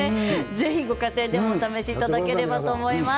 ぜひご家庭でもお試しいただければと思います。